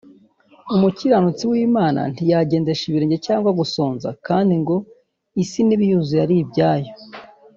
umukiranutsi w’Imana ntiyagendesha ibirenge cyangwa gusonza kandi ngo isi n’ibiyuzuye ari ibyayo